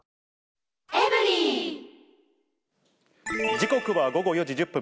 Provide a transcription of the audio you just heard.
時刻は午後４時１０分。